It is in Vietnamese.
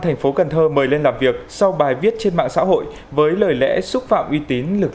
thành phố cần thơ mời lên làm việc sau bài viết trên mạng xã hội với lời lẽ xúc phạm uy tín lực